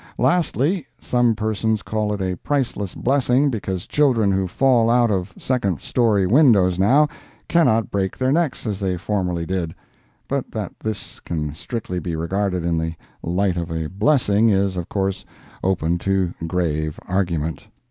Lastly—Some persons call it a priceless blessing because children who fall out of second story windows now, cannot break their necks as they formerly did—but that this can strictly be regarded in the light of a blessing, is, of course, open to grave argument.